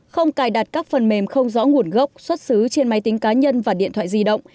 không cài đặt các phần mềm không rõ nguồn gốc xuất xứ trên máy tính cá nhân và điện thoại di động